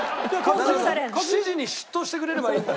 ７時に出頭してくれればいいんだろ。